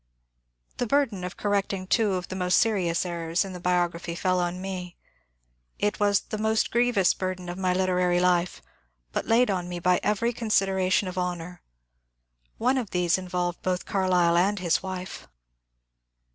The burden of correcting two of the most serious errors in the biography fell on me. It was the most grievous burden of my literary life, but laid on me by every consideration of honour. One of these involved both Carlyle and his wife.